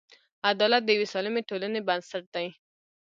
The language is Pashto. عدالت د یوې سالمې ټولنې بنسټ دی.